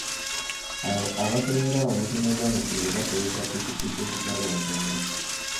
Abakebera omutindo gw'amasomero bakozesa ppikippiki okugalondoola.